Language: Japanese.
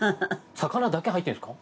魚だけ入ってるんですか？